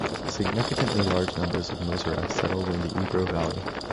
Significantly large numbers of Mozarabs settled in the Ebro valley.